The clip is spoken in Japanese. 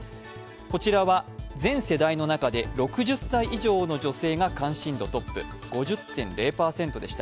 こちらは全世代の中で６０歳以上の女性で関心度がトップ、５０．０％でした。